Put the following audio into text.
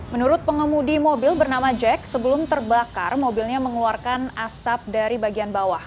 menurut pengemudi mobil bernama jack sebelum terbakar mobilnya mengeluarkan asap dari bagian bawah